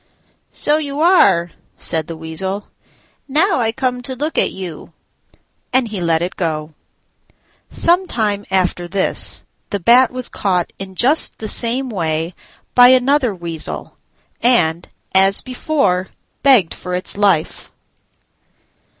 "So you are," said the Weasel, "now I come to look at you"; and he let it go. Some time after this the Bat was caught in just the same way by another Weasel, and, as before, begged for its life.